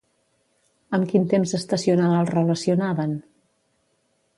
Amb quin temps estacional el relacionaven?